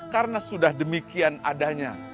karena sudah demikian adanya